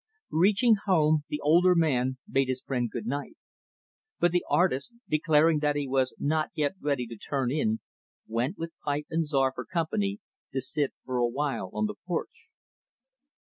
Reaching home, the older man bade his friend good night. But the artist, declaring that he was not yet ready to turn in, went, with pipe and Czar for company, to sit for a while on the porch.